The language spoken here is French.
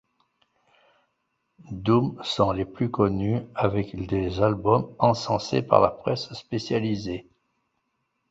Doom sont les plus connus avec des albums encensés par la presse spécialisée.